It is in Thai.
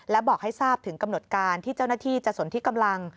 และบอกให้ทราบถึงกำหนดการที่เจ้าหน้าที่จะสนที่กำลัง